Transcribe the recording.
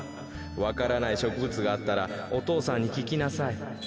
わからないしょくぶつがあったらお父さんにききなさい。